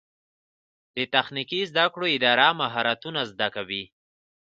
د تخنیکي زده کړو اداره مهارتونه زده کوي